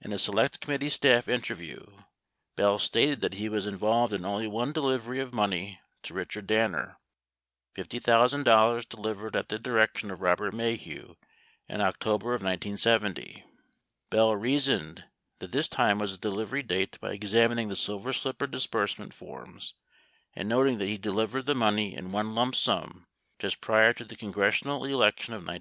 In a Select Committee staff interview, Bell stated that he was involved in only one delivery of money to Richard Danner, $50,000 delivered at the direction of Robert Maheu in October of 1970. 78 Bell reasoned that this time was a delivery date by examining the Silver Slipper disbursement forms and noting that he delivered the money in one lump sum just prior to the congressional election of 1970.